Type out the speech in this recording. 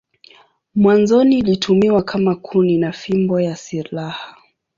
Mwanzoni ilitumiwa kama kuni na fimbo ya silaha.